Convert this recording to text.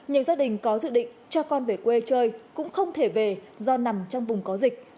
nhiều gia đình có dự định cho con về quê chơi cũng không thể về do nằm trong vùng có dịch